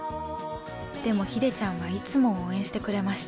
でも秀ちゃんはいつも応援してくれました。